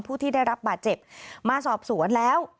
ผู้ที่ได้รับบาดเจ็บมาสอบสวนแล้ว